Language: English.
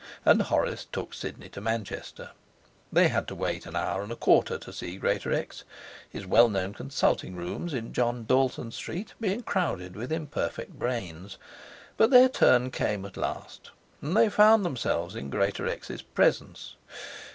And Horace took Sidney to Manchester. They had to wait an hour and a quarter to see Greatorex, his well known consulting rooms in John Dalton Street being crowded with imperfect brains; but their turn came at last, and they found themselves in Greatorex's presence.